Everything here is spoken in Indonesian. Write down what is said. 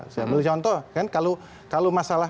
saya ambil contoh kan kalau masalah